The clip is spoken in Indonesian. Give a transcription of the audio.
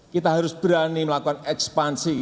kita harus berani melakukan ekspansi